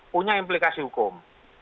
punya implikasi hukum